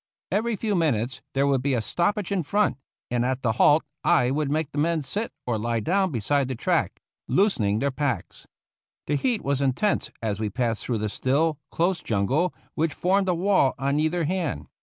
Every few minutes there would be a stoppage in front, and at the halt I would make the men sit or lie down be side the track, loosening their packs. The heat was intense as we passed through the still, close jungle, which formed a wall on either hand.